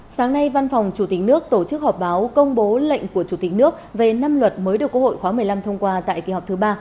sáng nay văn phòng chủ tịch nước tổ chức họp báo công bố lệnh của chủ tịch nước về năm luật mới được quốc hội khóa một mươi năm thông qua tại kỳ họp thứ ba